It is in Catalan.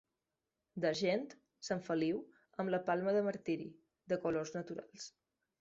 D'argent, Sant Feliu amb la palma del martiri, de colors naturals.